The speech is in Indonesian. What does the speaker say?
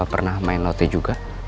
bapak pernah main lotre juga